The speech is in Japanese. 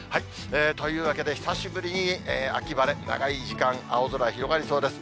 というわけで、久しぶりに秋晴れ、長い時間、青空広がりそうです。